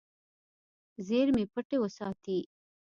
زیرمې پټې وساتې.